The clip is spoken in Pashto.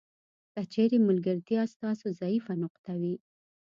که چیرې ملګرتیا ستاسو ضعیفه نقطه وي.